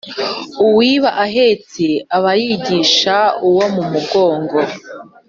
uwiba ahetse aba yigisha uwo mugongo